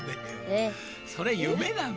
それ夢なの？